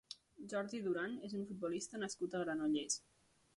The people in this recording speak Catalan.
Jordi Durán és un futbolista nascut a Granollers.